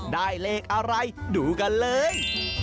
ได้เลขอะไรดูกันเลย